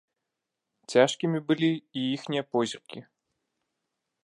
Цяжкімі былі і іхнія позіркі.